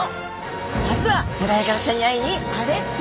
それではヘラヤガラちゃんに会いにレッツ。